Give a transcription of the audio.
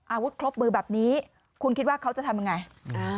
อาวุธครบมือแบบนี้คุณคิดว่าเขาจะทำยังไงอ่า